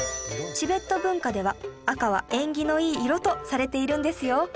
チベット文化では赤は縁起のいい色とされているんですよ